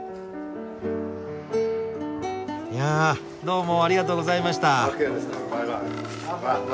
いやどうもありがとうございました。